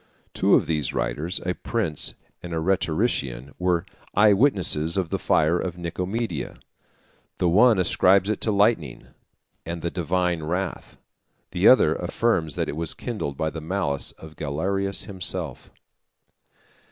Two of these writers, a prince and a rhetorician, were eye witnesses of the fire of Nicomedia. The one ascribes it to lightning, and the divine wrath; the other affirms, that it was kindled by the malice of Galerius himself.